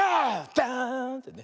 ダーンってね。